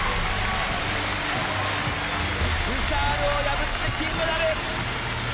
ブシャールを破って金メダル！